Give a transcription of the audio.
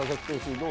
どう？